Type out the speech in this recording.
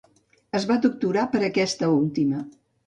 Es va doctorar per aquesta última.